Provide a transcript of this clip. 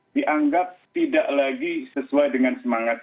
dianggap tidak lagi sesuai dengan semangat